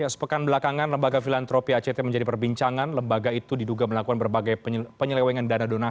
sampai jumpa di video selanjutnya